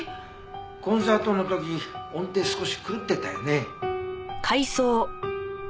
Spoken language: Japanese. コンサートの時音程少し狂ってたよね。